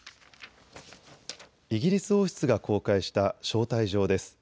イギリス王室が公開した招待状です。